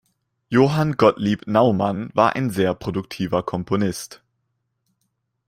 Johann Gottlieb Naumann war ein sehr produktiver Komponist.